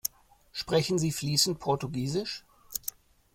Sprechen Sie fließend Portugiesisch?